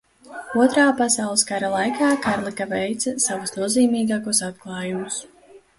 Otrā pasaules kara laikā Karlika veica savus nozīmīgākos atklājumus.